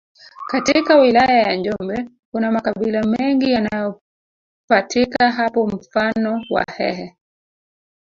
Katika wilaya ya njombe kuna makabila mengi yanayopatika hapo mfano wahehe